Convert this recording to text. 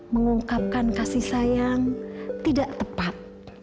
mengungkapkan kasih sayang tidak tepat